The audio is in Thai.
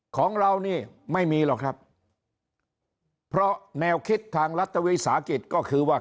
ของเรานี่ไม่มีหรอกครับเพราะแนวคิดทางรัฐวิสาหกิจก็คือว่า